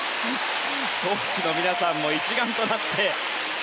コーチの皆さんも一丸となって。